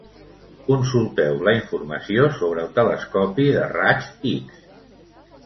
Consulteu lla informació sobre el telescopi de raigs X.